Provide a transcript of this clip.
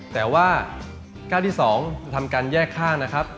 แต่ว่าก้าวที่๒ทำการแยกข้างนะครับ